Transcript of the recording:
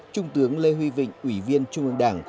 trung tướng lê huy vịnh ủy viên trung ương đảng